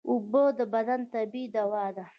اوبه د بدن طبیعي دوا ده